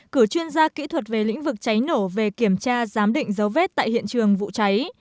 cử chuyên gia kỹ thuật về lĩnh vực cháy nổ về kiểm tra giám định dấu vết tại hiện trường vụ cháy